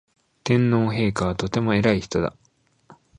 天皇陛下はとても偉い人だ